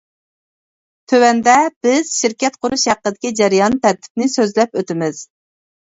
تۆۋەندە بىز شىركەت قۇرۇش ھەققىدىكى جەريان تەرتىپنى سۆزلەپ ئۆتىمىز.